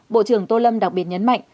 bộ trưởng tô lâm đặc biệt nhấn mạnh